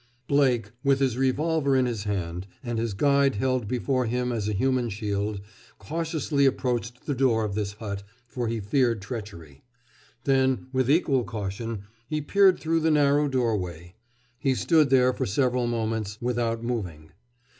Blake, with his revolver in his hand and his guide held before him as a human shield, cautiously approached the door of this hut, for he feared treachery. Then, with equal caution, he peered through the narrow doorway. He stood there for several moments, without moving.